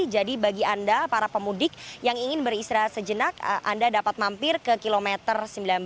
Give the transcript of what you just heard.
jadi bagi anda para pemudik yang ingin beristirahat sejenak anda dapat mampir ke kilometer sembilan belas